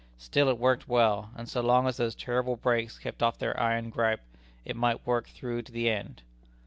Still it worked well, and so long as those terrible brakes kept off their iron gripe, it might work through to the end.